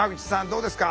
どうですか？